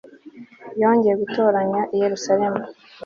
yongeye gutoranya i yerusalemu